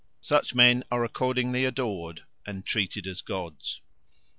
Such men are accordingly adored and treated as gods.